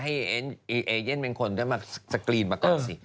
เอเย่นเป็นคนได้มาสกรีนมาก่อนสิ